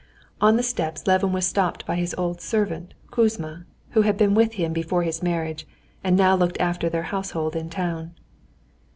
On the steps Levin was stopped by his old servant Kouzma, who had been with him before his marriage, and now looked after their household in town.